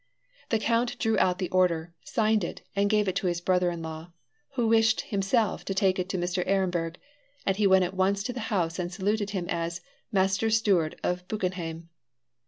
The count drew out the order, signed it, and gave it to his brother in law, who wished himself to take it to Mr. Ehrenberg; and he went at once to the house and saluted him as "master steward of Buchenhaim."